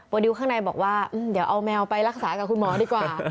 ดิวข้างในบอกว่าเดี๋ยวเอาแมวไปรักษากับคุณหมอดีกว่า